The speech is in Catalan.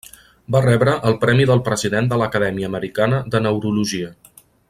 Va rebre el Premi del president de l'Acadèmia Americana de Neurologia.